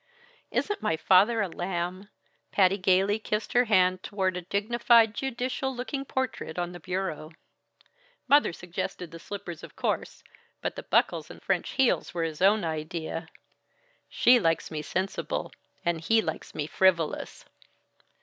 "Isn't my father a lamb?" Patty gaily kissed her hand toward a dignified, judicial looking portrait on the bureau. "Mother suggested the slippers, of course, but the buckles and French heels were his own idea. She likes me sensible, and he likes me frivolous."